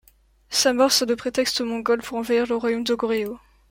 Sa mort sert de prétexte aux Mongols pour envahir le royaume de Goryeo.